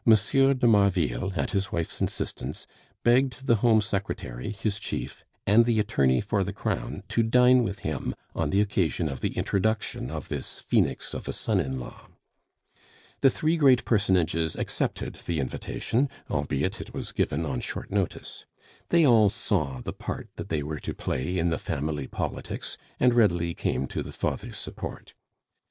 de Marville, at his wife's instance, begged the Home Secretary, his chief, and the attorney for the crown to dine with him on the occasion of the introduction of this phoenix of a son in law. The three great personages accepted the invitation, albeit it was given on short notice; they all saw the part that they were to play in the family politics, and readily came to the father's support.